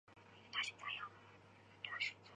圣康拉多以悬挂式滑翔和高尔夫球场而着称。